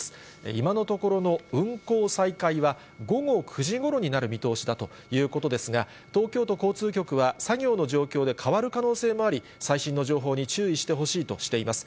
今のところの運行再開は、午後９時ごろになる見通しだということですが、東京都交通局は、作業の状況で変わる可能性もあり、最新の情報に注意してほしいとしています。